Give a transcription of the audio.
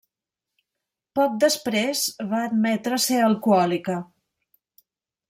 Poc després, va admetre ser alcohòlica.